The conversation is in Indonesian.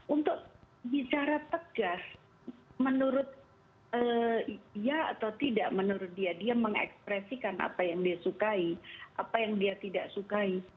untuk bicara tegas menurut iya atau tidak menurut dia dia mengekspresikan apa yang dia sukai apa yang dia tidak sukai